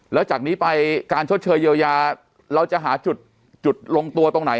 แล้วจากนี้ไปการชดเชยเยียวยาเราจะหาจุดลงตัวตรงไหน